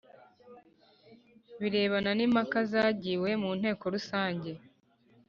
birebana n impaka zagiwe mu Nteko Rusange